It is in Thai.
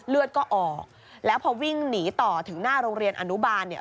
เลือดก็ออกแล้วพอวิ่งหนีต่อถึงหน้าโรงเรียนอนุบาลเนี่ย